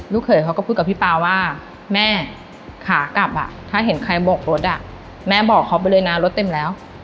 เขยเขาก็พูดกับพี่ป๊าว่าแม่ขากลับถ้าเห็นใครโบกรถแม่บอกเขาไปเลยนะรถเต็มแล้ว